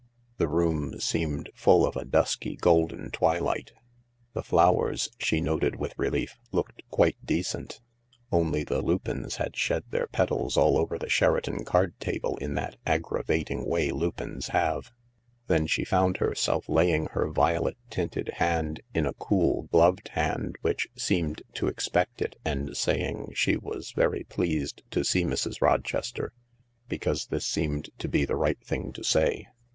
The room seemed full of a dusky golden twilight ; the flowers, she noted with relief, looked quite decent — only the lupins had shed their petals all over the Sheraton card table in that aggravating way lupins have. Then she found herself laying her violet tinted hand in a cool, gloved hand which seemed to expect it, and saying that she was very pleased to see Mrs. Rochester, because this seemed to be the right thing to say.